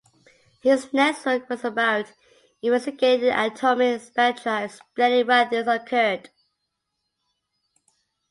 His next work was about investigating the atomic spectra explaining why these occurred.